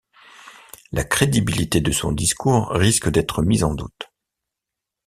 La crédibilité de son discours risque d’être mise en doute.